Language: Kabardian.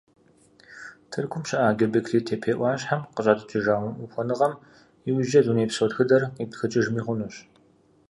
Тыркум щыӀэ Гёбекли-Тепе Ӏуащхьэм къыщӀатӀыкӀыжа ухуэныгъэм иужькӀэ дунейпсо тхыдэр къиптхыкӀыжми хъунущ.